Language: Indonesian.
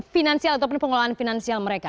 finansial ataupun pengelolaan finansial mereka